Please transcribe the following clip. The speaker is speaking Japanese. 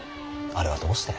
あれはどうして。